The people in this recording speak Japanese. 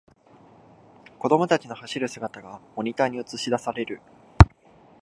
子供たちの走る姿がモニターに映しだされる